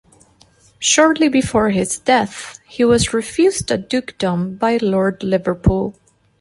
Shortly before his death, he was refused a dukedom by Lord Liverpool.